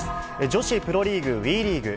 女子プロリーグ、ＷＥリーグ。